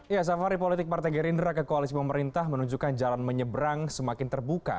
ya safari politik partai gerindra ke koalisi pemerintah menunjukkan jalan menyeberang semakin terbuka